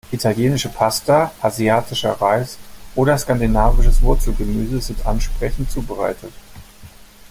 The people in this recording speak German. Italienische Pasta, asiatischer Reis oder skandinavisches Wurzelgemüse sind ansprechend zubereitet.